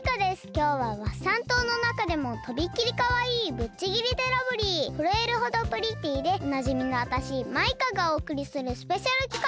きょうはワッサン島のなかでもとびきりかわいいぶっちぎりでラブリーふるえるほどプリティーでおなじみのわたしマイカがおおくりするスペシャルきかく！